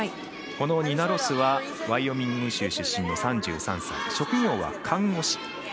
このニナ・ロスはワイオミング州出身の３３歳、職業は看護師。